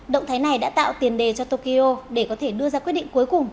động thái này đã tạo tiền đề cho tokyo để có thể đưa ra quyết định cuối cùng